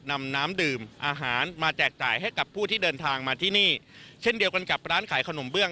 นำน้ำดื่มอาหารมาแจกจ่ายให้กับผู้ที่เดินทางมาที่นี่เช่นเดียวกันกับร้านขายขนมเบื้อง